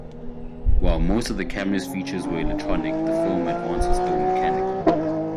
While most of the camera's features were electronic, the film advance was still mechanical.